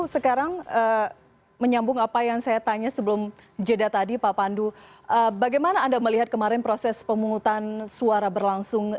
sekarang menyambung apa yang saya tanya sebelum jeda tadi pak pandu bagaimana anda melihat kemarin proses pemungutan suara berlangsung